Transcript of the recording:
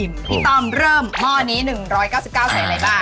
พี่ต้อมเริ่มหม้อนี้๑๙๙ใส่อะไรบ้าง